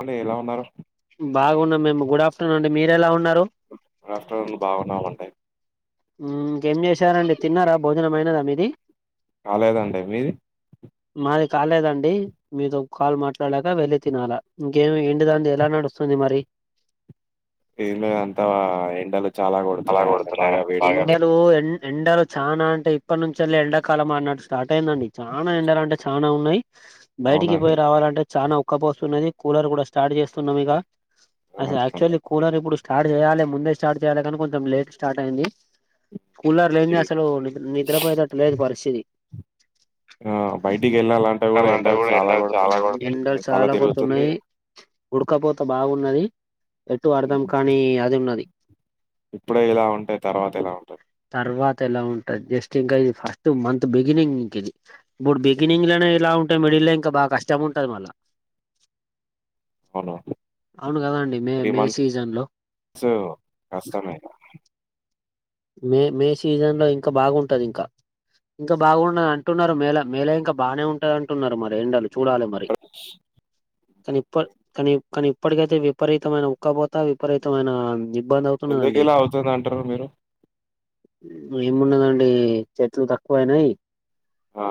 అంట ఎలా ఉన్నారు బాగున్నాం మేము గుడ్ ఆఫటర్నూన్ అండి మీర ఎలా ఉన్న రాష్ట్రాలు బాగున్నా ఉంటాయి ఇంకేం చేశారంండి తిన్నారా భోజనమైనదా మీది రాలేదండి మీది మాది కాలేదండి మీరు కాల్ మాట్లాడలేక వెళ్ళి తినాలా ఇంకేమి ఏంటి దాం ఎలా నడుస్తుంది మరి ఇలు అంతవ ఎ అలా కొడుతున్ ఎండలు చాలా అంటే ఇప్పటి నుంచి వెళ్ళి ఎండాకాలం అన్నట్టు స్టార్ట్ అయిందండి చాలనా ఎండలు అంటే చాలనా ఉన్నాయి బయటికి అవునండి. పోయి రావాలంటే చానా ఉక్కపోస్తున్నది కూలర్ కూడా స్టార్ట్ చేస్తున్నాం ఇక ఆ! అసల్ అంతే. యాక్చువల్లీ కూలర్ ఇప్పుడు స్టార్ట్ చేయాలి ముందే స్టార్ట్ చెయ్యాలే కానీ కొంచెం లేట్ స్టార్ట్ అయ్యింది కూలర్ ఈ లేనిదే అసలు నిద్ర నిద్రపోయేటట్టు లేదు పరిస్థితి ఆ బయటికి వెళ్ళాలంటే కూడా ఎండల్ చాలా కొడుతున్నాయి తల తిరుగుతుంది ఉడకపోతా బాగున్నది ఎటు అర్ధం హ్మ్. కానీ అది ఉన్నది ఇప్పుడే ఇలా ఉంటే తర్వాత ఇలా ఉంటది తే ఎలా ఉంటది జస్ట్ ఇంకా ఇది ఫస్ట్ మంత్ బిగినింగ్ ఇంక్ ఇది ఇప్పుడు హ్మ్. బిగినింగ్ లోనే ఇలా ఉం టే మెడిలే ఇంకా బాగా కష్టం ఉంటది మళ్ళ అవును అవును కదండి May three May months season లో కష్టమే ఇక మే మే సీజన్ లో ఇంకా బాగుంటది ఇంకా ఇంకా బాగుండది అంటున్నారు మేలో మేలో ఇంకా బానే ఉంటది అంటున్నారు మరి ఎండలు చూడలే మరి కానీ ఇప్ప కానీ కానీ ఇప్పటికైతే విపరీతమైన ఉక్కపోతా విపరీతమైన ఇబ్బంది ఎందుకు అవుతున్నదండి ఇలా అవుతుంద అంటారు మీరు ఏమున్నదండి చెట్లు తక్కువైనాయి ఆ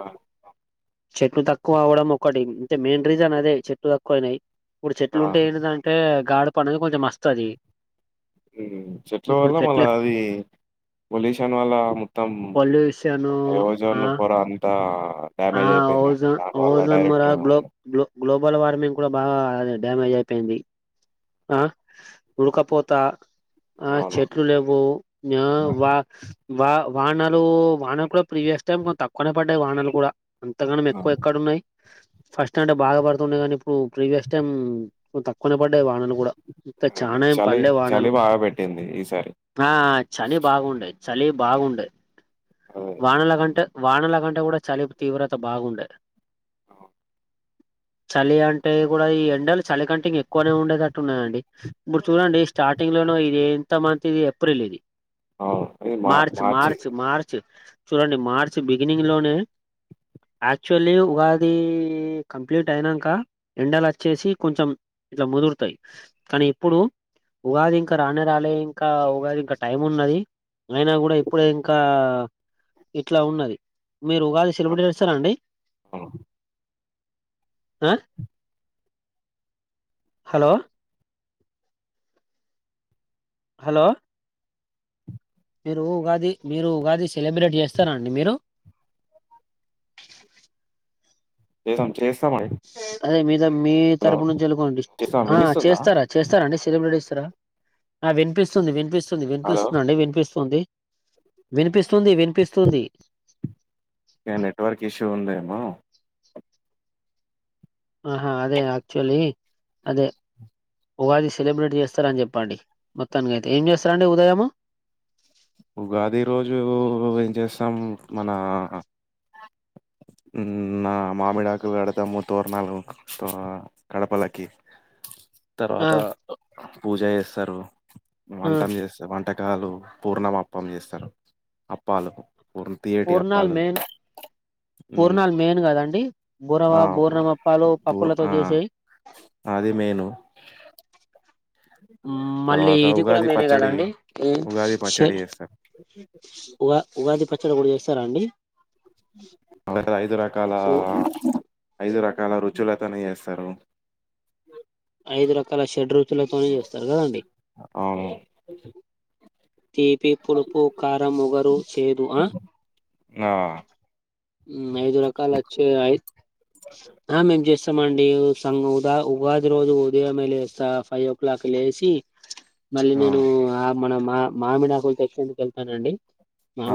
చెట్టు తక్కువ అవ్వడం ఒకటి అంతే మెయిన్ రీజన్ అదే చెట్లు తక్కువయినాయి ఇప్పుడు ఆ చెట్లు ఉంటే ఏంటిదంటే గాడ పని కొంచెం మస్తది ఉ చెట్ల వల్ల మళ్ళ అది పొల్యూషన్ వల్ల మొత్తం పొల్యూషన్ ఆ ఓజోన్ పోరా అంతా ఆ డ్యామేజ్ అయిపోయిందండి ఓజో దాని వల్ల ఓజోన్ మర డైరెక్ట్ గ్లోబ గ్లోబ గ్లో బల్ వార్మింగ్ కూడా బాగా డామేజ్ అయిపోయింది ఆ ఉడుకపోతా ఆ అవును చెట్లు లేవు మియా ఆ వా వా వానాలు వానలు కూడా ప్రీవియస్ టైమ్ కొంత తక్కువనే పడ్డాయి వానాలు కూడా అంతగానం ఆ ఎక్కువ ఎక్కడ ఉన్నాయి ఫస్ట్ అంటే బాగా పడుతుండే కానీ ఇప్పుడు ప్రీవియస్ టైమ్ తక్కువనే పడ్డాయి వానలు కూడా ఇంకా ఆ చానా ఏం చలి బడ్లే చలి వానలు బాగా పెట్టింది ఈసారి ఆ ఆ చలి బాగుండేది చలి బాగుండేది అదే వానాల కంటే వానల కంటే కూడా చలిపు తీవ్రత బాగుండదు చలి అంటే కూడా ఈ ఎండలు చలి కంటే ఇంక ఎక్కువనే ఉండేది టున్నదండి ఇప్పుడు చూడండి స్టార్టింగ్ లోన ఇది ఎంత మంత్ ఇది ఎప్రిల్ ఇది అవును ఇది మా మార్చ మార్చి మార్చ మార్చ చూడండి మార్చి బిగినింగ్ లోనే యాక్చువల్లీ ఉగాది కంప్లీట్ అయినాక ఎండల వచ్చేసి కొంచెం ఇట్లా ముదురుతాయి కానీ ఇప్పుడు ఉగాది ఇంకా రానే రాలే ఇంకా ఉగాది ఇంకా టైం ఉన్నది అయినా కూడా ఇప్పుడే ఇంకా ఇట్లా ఉన్నది మీరు ఉగాది సెలబ్రేట్ చేస్తారండి అవును ఆ హలో హలో మీరు ఉగాది మీరు ఉగాది సెలబ్రేట్ చేస్తారండి మీరు లేసం అదే మీతో మీ హలో తరపు నుంచి వెళకోండి చేస్తాం ఆ వినిస్తుందా చేస్తారా చేస్తారా అండి సెలబ్రిటీస రా వినిపిస్తుంది వినిపిస్తుంది హలో వినిపిస్తుంది అండి వినిపిస్తుంది వినిపిస్తుంది వినిపిస్తుంది ఏ నెట్వర్క్ ఇష్యూ ఉందేమో ఆహా అదే యాక్చువల్లీ అదే ఉగాది సెలబ్రేట్ చేస్తారని చెప్పండి మొత్తానికి అయితే ఏం చేస్తార అండి ఉదయము ఉగాది రోజు ఏం చేస్తాం మన [inaudible] నా మామిడాకు కడతాము తోరణాలుగు గాడపలకి ఆ తర్వాత పూజ చేస్తారు ఆ వంటం చేస్తారు వంట వంటకాలు పూర్ణమ అప్పం చేస్తారు అప్పాలుకు ఉరు తియేటి పూర్ణాల్ అప్పాలు మెయిన్ మ్మ్ పూర్ణాలు మెయిన్ కదాండి బోరమా ఆ పూ- బోరమా పాలు పూర్ పాప్పులతో ఆ చేసాయి అది మెయిను మళ్ళీ తర్వాత ఇది కూడా ఉగాది మెయినే పచ్చడి కదండి ఉగాది పచ్చడి చేస్తారు ఉగా ఉగాది పచ్చడి కూడా చేస్తారా అండి అ ఐదు రకాల ఉ ఐదు రక కల రుచులతనే చేస్తారు ఐదు రకాల షడ్రఋతులతోనే చేస్తారు కదండి అవును తీపి పులుపు కారం వగరు చేదు ఆ ఆ ఐదురకాలచ్చ మేమ్ ఇస్తమండి సంఘ ఉద ఉగాది రోజు ఉదయంమే లేస్తా ఫైవ్ ఓ క్లాక్ లేసి మళ్ళీ ఆ నేను ఆ మన మా మామిడి ఆకులు తెచ్చేందుకు వెళ్తానండి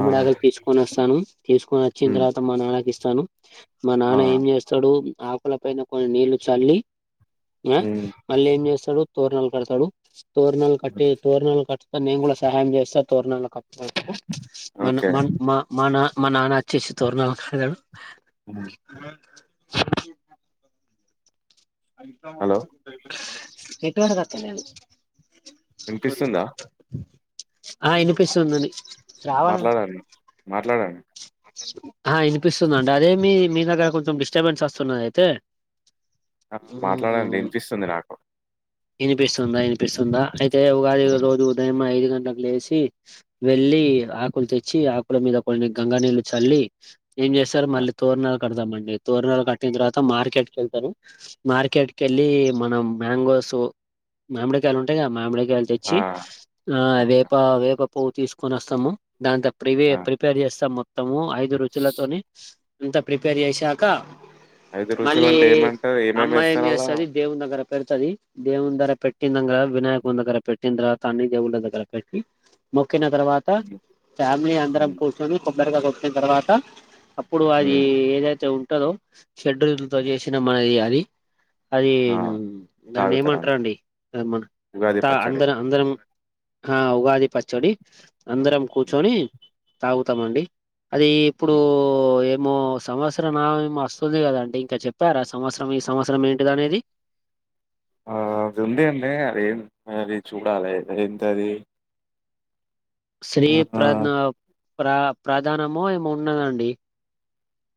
ఆ తీసుకొని వస్తాను తీసుకొని వచ్చిన మ్మ్ తర్వాత మా నాన్నకి ఇస్తాను మా ఆ నాన్న ఏం చేస్తాడు ఆకుల పైన కొన్ని నీళ్లు చల్లి ఆ మ్మ్ మళ్ళీ ఏం చేస్తాడు తోరనాలు కడతాడు తోరనాలు కట్టటి తోరనాలు కట్టతా నేను కూడా సహాయం చేస్తా తోరణలకుప్పుడయితే మన ఓకే మ మన మా నాన్న వచ్చేసి తోరణాలు కాడతాడు అవును హలో ఎటుంట కతలేదు వినిపిస్తుందా ఆ వినిపిస్తుందని మాట్లాడడి మాట్లాడడి ఆ ఇనిపిస్తుందిండి అదే మీ మీ దగ్గర కొంచెం డిస్టర్బెన్స్ వస్తున్నది అయితే ఆ మాట్లాడాలడి వినిపిస్తుంది నాకు వినిపిస్తుందా వినిపిస్తుందా అయితే ఉగాది ఉమ్, రోజు ఉదయం ఐదు గంట లేసి వెళ్ళి ఆకులు తెచ్చి ఆకుల మీద కొన్ని గంగా నీళ్ళు చల్లి ఏం చేస్తారు ఆ మళ్ళీ తోరనాలు కడదామండి తోరనాాలు కట్టిన తర్వాత మార్కెట్ కి వెళ్తాను మార్కెట్ క వెళ్ళి మనం మాంగోస్ మామిడికాయలు ఉంటాయి క మామిడికాయ ఆ తెచ్చి ఆ వేప వేప పువ్వు తీసుకొని వస్తాము దాంతా ప్రివే ఆ. ప్రిపేర్ చేస్తాం మొత్తము ఐదు రుచులతోని అంతా ప్రిపేర్ చేసాక ఐదు రుచులు మళ్ళీ అంటే ఏమంటారు ఏమేమి అమ్మాయి ఏం వేస్తారు అలా చేస్తది దేవున్దగ్గర పెడతది దేవుని దర పెట్టిందంగర వినాయక దగ్గర పెట్టింద్ర తండ అన్ని దేవుళ దగర పెట్టి మ మోకిన తర్వాత ఫ్యామిలీ అందరం మ్మ్ కూర్చొని కొబ్బరిగా కొట్టిన తర్వాత అప్పుడు అది మ్మ్ ఏదైతే ఉంటందో షెడ్యూల్ తో చేసినా మనది అది అది ఆ దాన్న తాగుతారాళ్ళు ఏమంటారుండి మ ఉగాది పచ్చడి అందరం అందరం ఆ ఉగాది పచ్చడి అందరం హ్మ్. కూర్చొని తాగుతామండి అది ఇప్పుడు మో సంవత్సరం ఏమో వస్తుంది కదా అంటే ఇంకా చెప్పారా సంవత్సరం ఈ సంవత్సరం ఏంటిద అనేది [inaudible] ఆ అది ఉంది అండి అది అది చూడాలి ఏంత అది స్త్రీ ప్రధ ప్ర ప్రాధానమో ఏమో ఉన్నదండి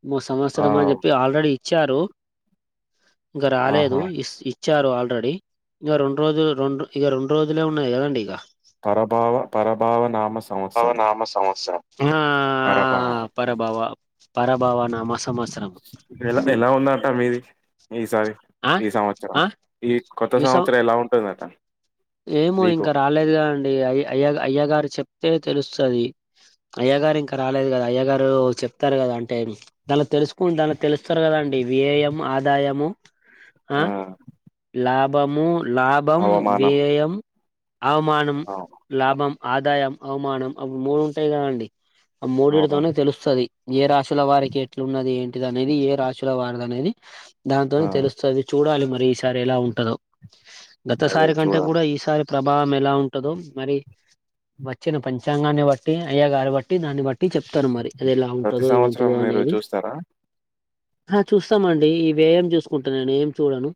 మూ ఆ సంవత్సరం అని చెప్పి ఆల్రెడీ ఇచ్చారు ఇంగ రాలేదు ఆహా ఇస్ ఇ ఇచ్చారు ఆల్రెడీ ఇక రెండు రోజులు రెండు ఇక రెండు రోజులే ఉన్నాయి కదండి ఇగ పరభావ పరభావ నామ సంవత్సరం భవనామ సంవత్సరం పరభావం ఆ పరభావ పరభావ నామ సంవత్సరం ఎలా ఎలా ఉన్నాట మీది? ఈసారి ఆ ఈ సంవత్సరం ఆ ఈ కొత్త ఈ సం సంవత్సరం ఎలా ఉంటుందట. ఏమో మీకు ఇంకా రాలేదు కదండి అయ అయ్య అయ్య గారు చెప్తే తెలుస్తది. అయ్య గారు ఇంకా రాలేదు కదా అయ్య గారు చెప్తారు కదా అంటే దానిలో తెలుసుకున్ దానిలో తెలుస్తారు కదా అం అండి వియ్యయము ఆదాయము ఆ లాభము లాభం. అవమానం వ్యయయం అవమానం ఆ లాభం ఆదాయం అవమానం అప్పుడు మూడు ఉంటాయి కదా అండి ఆ అవును మూడుటితోనే తెలుస్తది ఏ రాశ్ ల వారికి ఎట్లున్నది ఏంటి అనేది ఏ రాశుల వారి అనేది దాంతో ఆ తెలుస్తది చూడాలి మ ఈ సారి ఎలా ఉంటదొ గత అదే సారి కంటే చూడాలి కూడా ఈసారి ప్రభావం ఎలా ఉంటదొ మరి వచ్చిన పంచాంగాన్ని బట్టి అయ్య గారు బట్టి దాన్ని బట్టి చెప్ చెప్తారు మరి అది ఎలా ప్రతి ఉంటదో సంవత్సరం ఏంటిదో మీరు అనేది చూస్తారా ఆ చూస్తామండి ఈ వ్యయం చూసుకుంటా నేను ఏం చూడను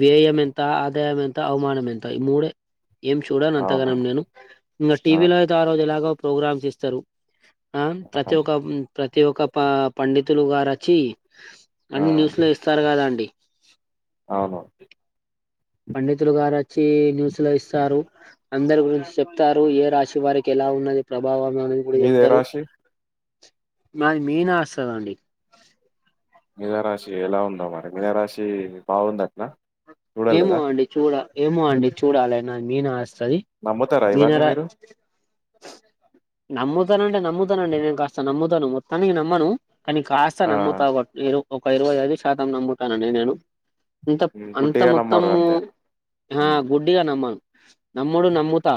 వ్యయం ఎంత ఆదాయం ఎంత అవమానం ఎంత ఈ మూడే ఏం చూడాను అవును అంతగానం నేను ఇంకా టీవీలో అయితే ఆ రోజు ఎలాగో ప్రోగ్రామ్స్ ఇస్తరు ఆ ప్రతి ఒక్క ప్రతి ఒక్క ప పండితులు గారు అచ్చి ఆ అన్ని న్యూస్ లో ఇస్తారు కదాండి. అవును. పండితులు గారు వచ్చి న్యూస్ లో ఇస్తారు. అందరి గురించి చెప్తారు ఏ రాశి వారికి ఎలా ఉన్నది ప్రభావం అనేది కూడా మీదే చెప్తరు. రాశి మాది మీనా వస్తదండి. మీనరాశి ఎలా ఉందో మరి మీనరాశి బాగుందట్నా? ఏమో అండి చూడ ఏమో అండి చూడాలె నా మీనాస్ స్తది నమ్ముతారా ఇవన్నీ మీనరా మీరు? నమ్ముతానండి నమ్ముతానండి నేను కాస్త నమ్ముతాను మొత్తానికి నమ్మను. కానీ కాస్త ఆ! నమ్ముతా ఏదో ఒక ఇ ఒక ఇరువై ఐదు శాతం నమ్ముతానండి నేను అంత హ్మ్. అంత గుడ్డిగా నమ్మరు మొత్తము అంతే. ఆ హ్మ్. గుడ్డిగా నమ్మను నమ్ముడు నమ్ము తా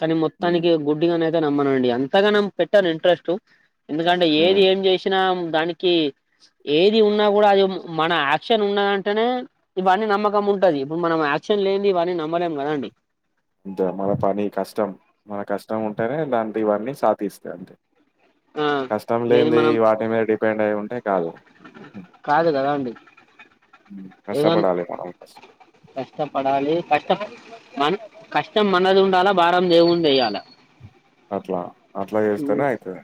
కానీ హ్మ్. మొత్తానికి గుడ్డిగానే నమ్మను అండి అంతగానం పెట్టను ఇంట్రెస్టు ఎందుకంటే ఏది హ్మ్. ఏం చేసినా దానికి ఏది ఉన్నా కూడా అది మన యాక్షన్ ఉన్నదంటేనే ఇవన్నీ నమ్మకం ఉంటది ఇప్పుడు మనం యాక్షన్ లేన్ది ఇవన్నీ నమ్మలేం కదా అండి. అంతే మన పని కష్టం మన కష్టం ఉంటేనే దానికి ఇవన్నీ సాధిస్తే అంతే ఆ కష్టం లేదు లేన్ది మనం వాటి మీద డిపెండ్ అయి ఉంటాయ్ కాదు కదా అండి ఏదన్ కష్టపడాలి మనం ఫస్ కష్టపడాలి కష్ట మన కష్టం మనది ఉండాలా భారం దేవుం దెయ్యాల. అట్లా అట్లా చేస్తేనే అయితది.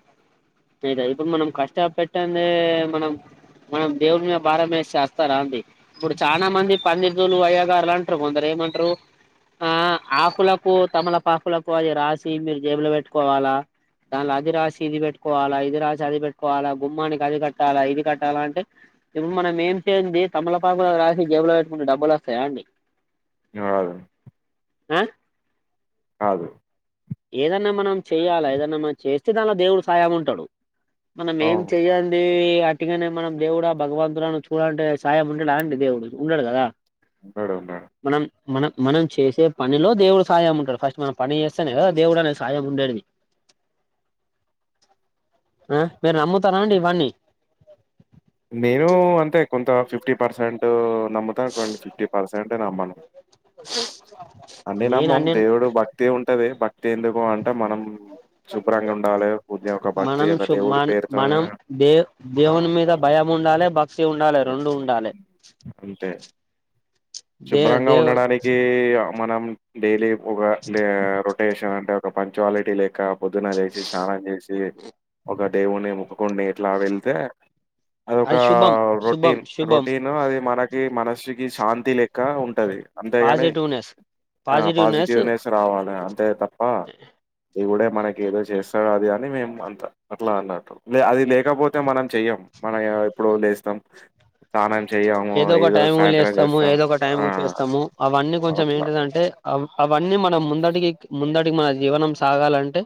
ఏదైతే మనం కష్ట పెట్టందే మనం మనం దేవుడి మీ భారం వేసి చేస్తారా అంది ఇప్పుడు చానా మంది పండితులు అయ్య గార్లు అంటారు కొందరు మంట్రు ఆ ఆకులకు తమలపాకులకు అది రాసి మీరు జేబులో పెట్టుకోవాలా? దానిలో అది రాసి ఇది బెట్ ట్కోవాలా ఇది రాసి అది పెట్కోవాలా గుమ్మానికి అది కట్టాలా ఇది కట్టాలా అంటే ఇప్పుడు మనం ఏం చేంది తమలపాకులో రాసి జేబులో పెట్టుకుంటేే డబ్బులు వస్తాయా అండి? ఆ ఆ ఆగు ఏదన్నా మనం చెయాలా ఏదన్నా మనం చేస్తే దానిలో దేవుడు సయం ఉంటాడు మనం ఏం అవును. చెయ్యాలి గట్టిగానే మనం దేవుడా భగవంతుడా నన్ను చూడు అంటే సాయం ఉండడా అండి దేవుడు ఉండడు కదా ఉన్నాడు ఉన్నాడు మనం మనం చేసే పనిలో దేవుడు సాయం ఉంటడు ఫస్ట్ మనం పని చేస్తేనే కదా దేవుడు అనే సాయం ఉండేడిది ఆ మీర్ నమ్ముతారాండి ఇవన్ని నేను అంటే కొంత ఫిఫ్టీ పర్సెంట్ నమ్ముత కొన్ని ఫిఫ్టీ పర్సెంట్ నమ్మను నేను అన్నినమ్మం అన్ని దేవుడు భక్తి ఉం టది భక్తి ఎందుకు అంటే మనం శుభ్రంగా ఉండాలి ఉండే ఒక భక్తి మనం ఒక చు దేవుడి మన పేరుతో మనం దే ఆ దేవుని మీద భయం ఉండాలి భక్తి ఉండాలె రెండు ఉండాలె టే శుభ్రంగా దేవ్ ఉండడానికి మనం డైలీ ఒక డే రొటేషన్ అంటే ఒక పంచువాలిటీ లేక పొద్దున చేసి స్నానం చేసి ఒక దేవుని మొక్కుకొని ఇట్లా వెళ్తే అదొక అది శుభం శుభం రొటీన్ శుభం రొటీన్ అది మనకి మనసుకి శాంతి లే కా ఉంటది పాజిటునేస్ ఆ పాజిటివ్నెస్ రావాల అంతే తప్ప దేవుడే మనకి ఏదో చేస్తారో అది అని మేమ్ అంత అట్లా అన్నట్టు అది లేకపోతే మనం చెయ్యం మన ఎప్పుడు లేస్తాం స్నానం చెయ్యము ఏదోక ఏదో టైం సాయంత్రం లేస్తాము చేస్తాం ఏదోక ఆ టైము చేస్తాము అవన్నీ కొంచెం అట్లా ఏంటిది అంటే అవ్ అవన్నీ మనం ముంద అడుగెక్కి ముంద మా జీవనం సాగాలంటే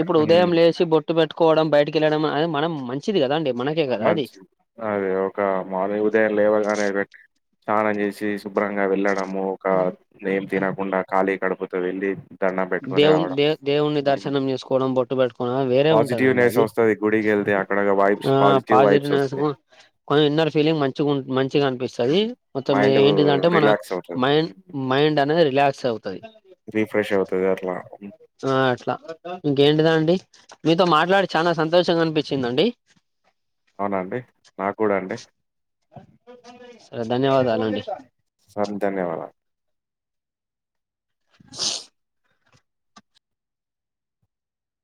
ఇప్పుడు హ్మ్. ఉదయం లేచి బొ ట్టు పెట్టుకోవడం బయటకి ఎళ్ళడం అది మనం మంచిది కదండి మంచి అదే ఒక మార్నింగ్ ఉదయం లేవగానే పెట్ స్నానం చేసి శుభ్రంగా వెళ్ళడము ఒక నేం తినకుండా ఖాళీ కడపుతో వెళ్లి దణ్ణం పెట్టుకుని దేవుని రావడం దే దేవుని దర్శనం చేసుకోవడం బొట్టు పెట్టుకోవడం వేరే పాజిటివ్ ఉంటదండి నెస్ అది వస్తుంది గుడికి ఏళ్ తే అక్కడ వైబ్స్ ఆ పాజి పాజిటివ్నెస్ కొ ఇన్నర్ ఫీలింగ్ మంచి గు మంచిగా అనిపిస్తది మొత్తం మైండ్ ఏంటిది అంటే మన రిలాక్స్ అవుతది మై మైండ్ అనేది రిలేక్స్ అ రిఫ్రెష్ అవుతద ఆ అట్లా ఇంకెంటి అండి మీతో మాట్లాడి చాలా సంతోషంగా అనిపించిందండి అవునా అండి? నాకు కూడా అండి. సరే ధన్యవాదాలు అండి అంతే నీవళ